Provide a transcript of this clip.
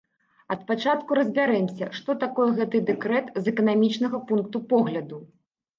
Ад пачатку разбярэмся, што такое гэты дэкрэт з эканамічнага пункту погляду.